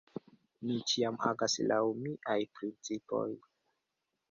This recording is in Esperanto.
Mi ĉiam agas laŭ miaj principoj.